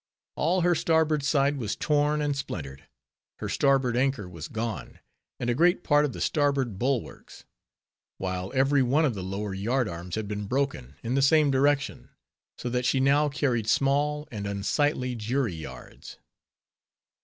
All her starboard side was torn and splintered; her starboard anchor was gone; and a great part of the starboard bulwarks; while every one of the lower yard arms had been broken, in the same direction; so that she now carried small and unsightly _jury yards.